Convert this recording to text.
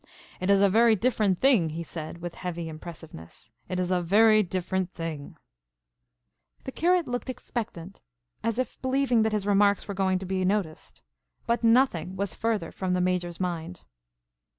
"It is a very different thing," he said with heavy impressiveness. "It is a very different thing." The curate looked expectant, as if believing that his remarks were going to be noticed. But nothing was further from the Major's mind.